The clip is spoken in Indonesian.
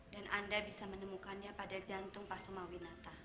dan anda bisa menemukannya pada jantung pasumawinata